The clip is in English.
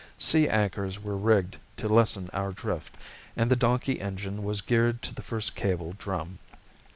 Sea anchors were rigged to lessen our drift and the donkey engine was geared to the first cable drum.